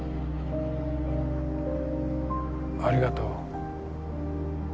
ありがとう。